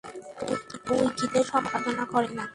উইকিতে সম্পাদনা করে না।